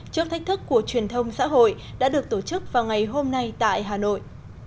trước thách thức của truyền thông xã hội đã được tổ chức vào ngày hôm nay tại hà nội